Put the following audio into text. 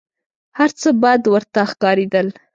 هر څه بد ورته ښکارېدل .